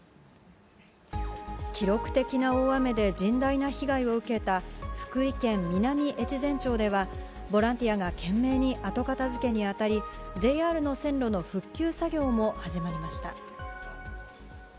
記録的な大雨で甚大な被害を受けた、福井県南越前町では、ボランティアが懸命に後片づけに当たり、ＪＲの線路の復旧作業も始まりました。